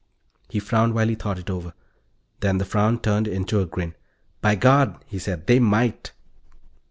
He frowned while he thought it over. Then the frown turned into a grin. "By God," he said, "they might."